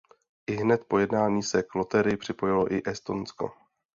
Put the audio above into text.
Ihned po jednání se k loterii připojilo i Estonsko.